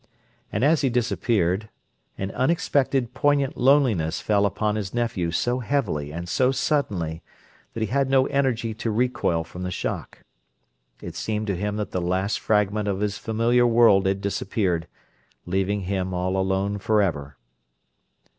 And as he disappeared, an unexpected poignant loneliness fell upon his nephew so heavily and so suddenly that he had no energy to recoil from the shock. It seemed to him that the last fragment of his familiar world had disappeared, leaving him all alone forever.